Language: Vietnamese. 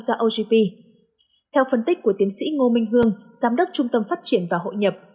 gia ogp theo phân tích của tiến sĩ ngô minh hương giám đốc trung tâm phát triển và hội nhập